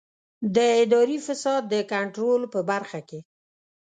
د اداري فساد د کنټرول په برخه کې.